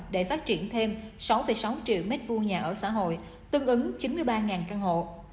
để phát triển thêm sáu sáu triệu m hai nhà ở xã hội tương ứng chín mươi ba căn hộ